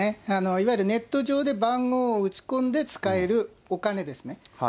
いわゆるネット上で番号を打ち込んで使えるお金ですね。